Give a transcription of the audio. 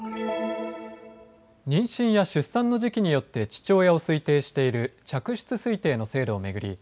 妊娠や出産の時期によって父親を推定している嫡出推定の制度を巡り